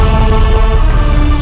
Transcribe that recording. untuk mencari jalan kembali